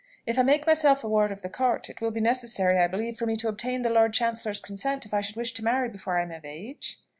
If I make myself a ward of the court, it will be necessary, I believe, for me to obtain the Lord Chancellor's consent if I should wish to marry before I am of age?"